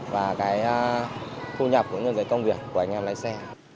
và cái thu nhập của những cái công việc của anh em lái xe